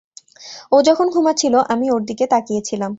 ও যখন ঘুমাচ্ছিল আমি ওর দিকে তাকিয়ে ছিলাম।